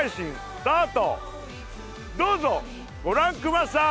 どうぞご覧くまさい。